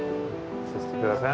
刺してください。